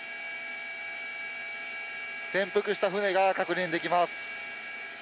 転覆した船が確認できます。